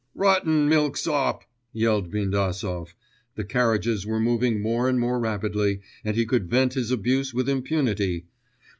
'Rotten milksop!' yelled Bindasov. The carriages were moving more and more rapidly, and he could vent his abuse with impunity.